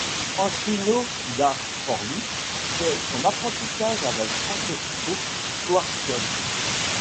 Ansuino da Forlì fait son apprentissage avec Francesco Squarcione.